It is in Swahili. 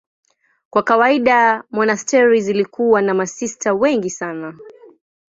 Kwa kawaida monasteri zilikuwa na masista wengi sana.